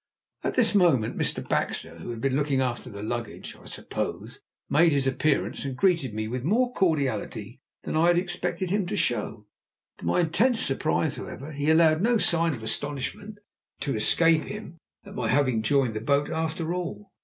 At this moment Mr. Baxter, who had been looking after the luggage, I suppose, made his appearance, and greeted me with more cordiality than I had expected him to show. To my intense surprise, however, he allowed no sign of astonishment to escape him at my having joined the boat after all.